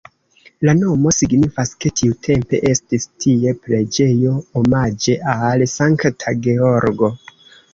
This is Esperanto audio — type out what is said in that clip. La nomo signifas, ke tiutempe estis tie preĝejo omaĝe al Sankta Georgo.